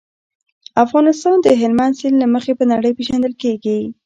افغانستان د هلمند سیند له مخې په نړۍ پېژندل کېږي.